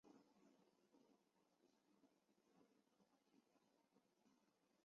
村中经济主要以农业为主。